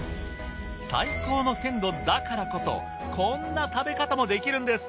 最高の鮮度だからこそこんな食べ方もできるんです。